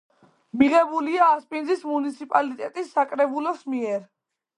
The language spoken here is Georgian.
მიღებულია ასპინძის მუნიციპალიტეტის საკრებულოს მიერ.